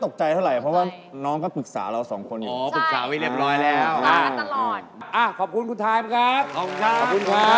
ขอบคุณครับ